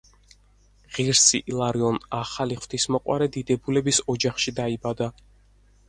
ღირსი ილარიონ ახალი ღვთისმოყვარე დიდებულების ოჯახში დაიბადა.